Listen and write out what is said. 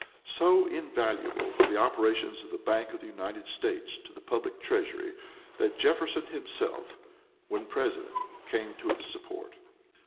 So invaluable were the operations of the Bank of the United States to the public treasury that Jefferson himself when President came to its support.